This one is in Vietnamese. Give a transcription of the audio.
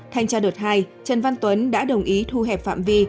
thanh tra đợt hai trần văn tuấn đã đồng ý thu hẹp phạm vi